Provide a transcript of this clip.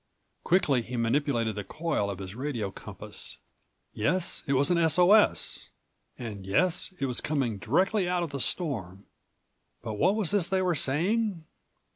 Quickly he manipulated the coil of his radio compass. Yes, it was an S. O. S.! And, yes, it was coming directly out of the storm. But what was this they were saying?